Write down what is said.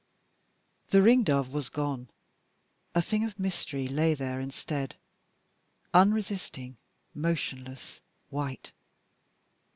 The ring dove was gone, a thing of mystery lay there instead unresisting, motionless, white.